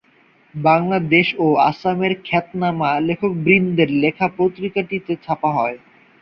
বাংলাদেশ ও আসামের খ্যাতনামা লেখকবৃন্দের লেখা পত্রিকাটিতে ছাপা হতো।